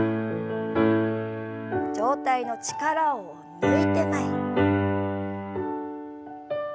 上体の力を抜いて前に。